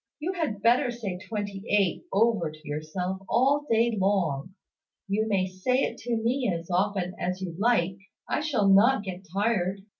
"You had better say `twenty eight' over to yourself all day long. You may say it to me as often as you like. I shall not get tired.